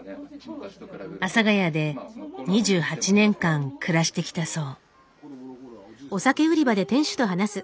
阿佐ヶ谷で２８年間暮らしてきたそう。